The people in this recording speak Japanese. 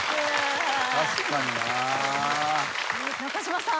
中島さん。